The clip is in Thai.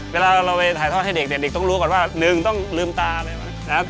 เวลาเราไปถ่ายท่อนให้เด็กเด็กเด็กต้องรู้ก่อนว่าหนึ่งต้องลืมตาเลยนะ